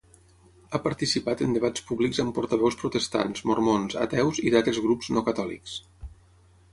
Ha participat en debats públics amb portaveus protestants, mormons, ateus i d'altres grups no catòlics.